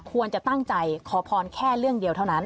ควรจะตั้งใจขอพรแค่เรื่องเดียวเท่านั้น